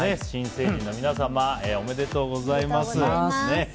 新成人の皆様おめでとうございます。